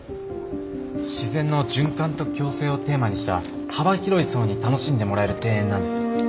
自然の循環と共生をテーマにした幅広い層に楽しんでもらえる庭園なんです。